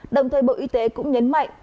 đồng thời bộ y tế cũng nhấn mạnh